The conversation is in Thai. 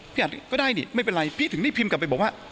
อัดก็ได้นี่ไม่เป็นไรพี่ถึงได้พิมพ์กลับไปบอกว่า